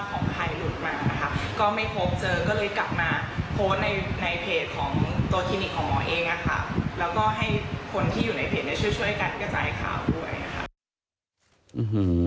แล้วก็ให้คนที่อยู่ในเพจช่วยกันกระจายข่าวด้วย